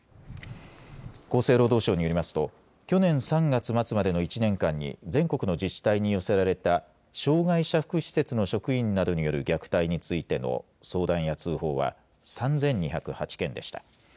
厚生労働省によりますと、去年３月末までの１年間に、全国の自治体に寄せられた障害者福祉施設の職員などによる虐待についての相談や通報は３２０８件でした。